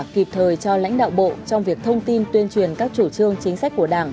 kịp thời cho lãnh đạo bộ trong việc thông tin tuyên truyền các chủ trương chính sách của đảng